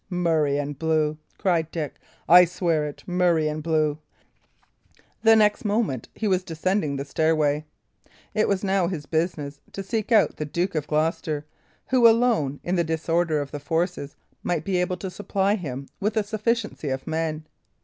"Murrey and blue!" cried Dick. "I swear it murrey and blue!" The next moment he was descending the stairway. It was now his business to seek out the Duke of Gloucester, who alone, in the disorder of the forces, might be able to supply him with a sufficiency of men.